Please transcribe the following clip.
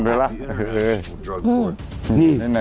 ดูเท้าเลยล่ะ